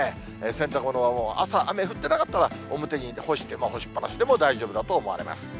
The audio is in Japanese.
洗濯物はもう朝、雨降っていなかったら、表に干しても、干しっぱなしでも大丈夫だと思われます。